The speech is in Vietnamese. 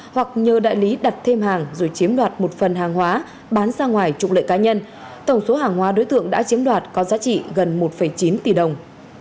hoặc nhờ đại lý đặt thêm hàng rồi chiếm đoạt một phần hàng hóa bán ra ngoài trục lợi cá nhân tổng số hàng hóa đối tượng đã chiếm đoạt có giá trị gần một chín tỷ đồng